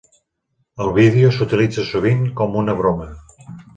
El vídeo s'utilitza sovint com una broma.